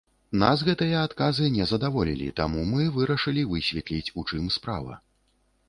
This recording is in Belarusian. Нас гэтыя адказы не задаволілі, таму мы вырашылі высветліць, у чым справа.